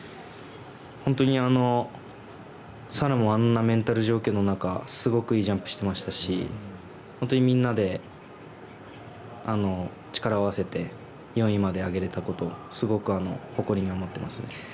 本当に沙羅もあんなメンタル状況の中すごくいいジャンプしてましたし本当にみんなで力を合わせて４位まで上げられたことをすごく誇りに思ってますね。